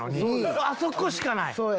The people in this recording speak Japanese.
あそこしかない。